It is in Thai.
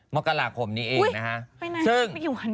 มกราคมนี้เองนะฮะ